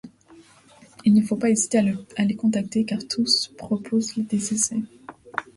Il ne faut pas hésiter à les contacter car tous proposent des essais.